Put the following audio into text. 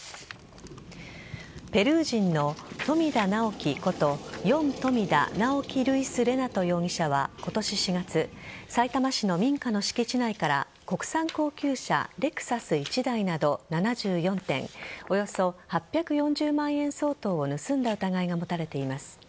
ペルー人の富田ナオキことヨン・トミダ・ナオキ・ルイス・レナト容疑者は今年４月さいたま市の民家の敷地内から国産高級車・レクサス１台など７４点およそ８４０万円相当を盗んだ疑いが持たれています。